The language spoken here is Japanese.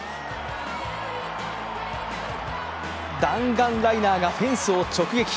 弾丸ライナーがフェンスを直撃。